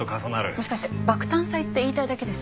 もしかして爆誕祭って言いたいだけです？